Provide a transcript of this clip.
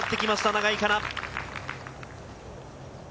永井花奈。